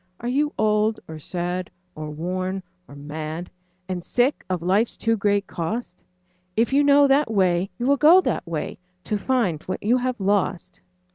Are you old or sad or worn or mad, And sick of life's too great cost? If you know that way, you will go that way, To find what you have lost.